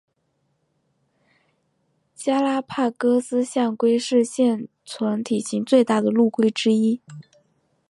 加拉帕戈斯象龟是现存体型最大的陆龟之一。